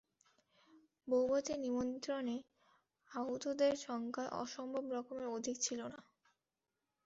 বউভাতের নিমন্ত্রণে আহূতদের সংখ্যা অসম্ভব রকম অধিক ছিল না।